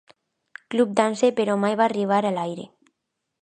"Club Dance", però, mai va arribar a l'aire.